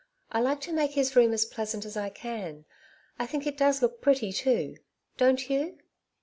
^^ I like to make his room as pleasant as I can. I think it does look pretty, too; don't you